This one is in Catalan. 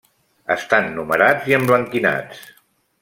Estan numerats i emblanquinats.